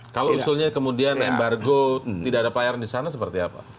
kalau usulnya kemudian embargo tidak ada pelayaran di sana seperti apa